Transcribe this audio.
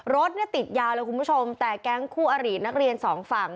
รถเนี่ยติดยาวเลยคุณผู้ชมแต่แก๊งคู่อรินักเรียนสองฝั่ง